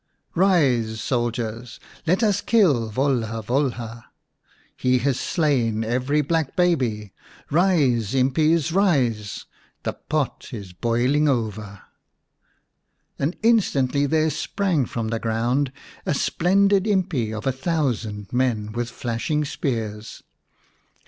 " Rise, soldiers, Let us kill Volha Volha ; 109 The Serpent's Bride He has slain every black baby. Else, impis, rise, The pot is boiling over." And instantly there sprang from the ground a splendid impi of a thousand men with flashing spears.